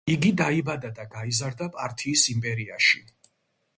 იგი დაიბადა და გაიზარდა პართიის იმპერიაში.